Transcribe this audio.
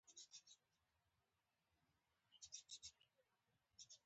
په زینو کې په احتیاط سره راکوز شوم، پام مې کاوه.